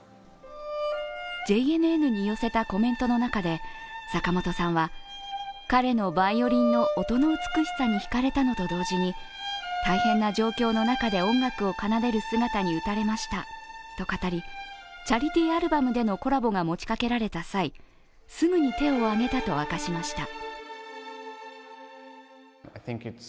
ＪＮＮに寄せたコメントの中で、坂本さんは、彼のバイオリンの音の美しさにひかれたのと同時に、大変な状況の中で音楽を奏でる姿に打たれましたと語り、チャリティーアルバムでのコラボが持ちかけられた際、すぐに手を挙げたと明かしました。